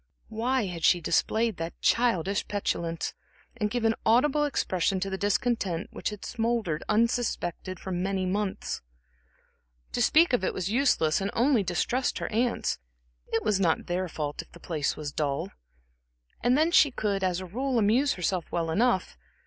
Why had she displayed that childish petulance, and given audible expression to the discontent which had smouldered unsuspected for many months? To speak of it was useless and only distressed her aunts; it was not their fault if the place was dull. And then she could, as a rule, amuse herself well enough.